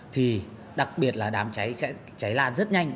thì đặc biệt là đám cháy sẽ cháy lan rất nhanh